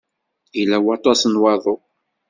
Yella waṭas n waḍu.